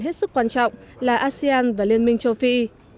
hết sức quan trọng là asean và liên minh châu phi